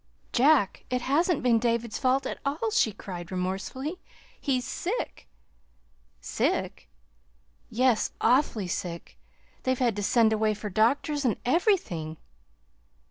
"Jack, it hasn't been David's fault at all," she cried remorsefully. "He's sick." "Sick!" "Yes; awfully sick. They've had to send away for doctors and everything."